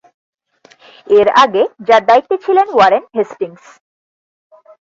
এর আগে যার দায়িত্বে ছিলেন ওয়ারেন হেস্টিংস।